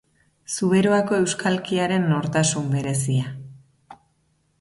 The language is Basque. Zuberoako euskalkiaren nortasun berezia.